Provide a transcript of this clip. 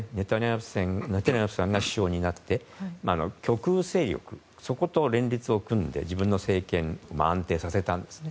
ネタニヤフさんが首相になって極右勢力と連立を組んで自分の政権を安定させたんですね。